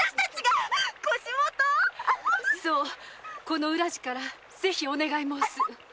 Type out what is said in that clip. この浦路からぜひお願い申す。